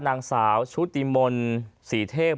เนื่องจากว่าอยู่ระหว่างการรวมพญาหลักฐานนั่นเองครับ